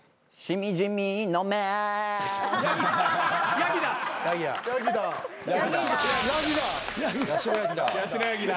ヤギだ。